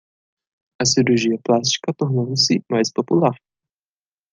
A cirurgia plástica tornou-se mais popular.